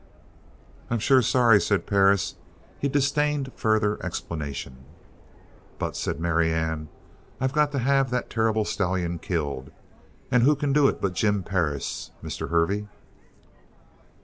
"I'm sure sorry," said Perris. He disdained further explanation. "But," said Marianne, "I've got to have that terrible stallion killed. And who can do it but Jim Perris, Mr. Hervey?"